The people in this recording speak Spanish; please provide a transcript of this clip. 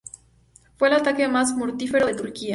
Fue el ataque más mortífero de Turquía.